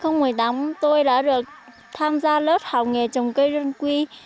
năm hai nghìn một mươi tám tôi đã được tham gia lớp học nghề trồng cây đơn quy